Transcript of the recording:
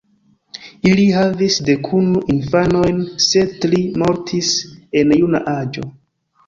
Ili havis dekunu infanojn, sed tri mortis en juna aĝo.